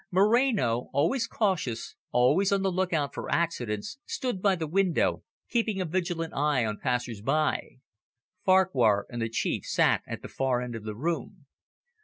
Moreno, always cautious, always on the look out for accidents, stood by the window, keeping a vigilant eye on passers by. Farquhar and the Chief sat at the far end of the room.